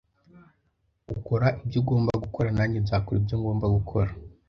Ukora ibyo ugomba gukora, nanjye nzakora ibyo ngomba gukora